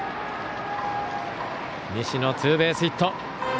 西野、ツーベースヒット。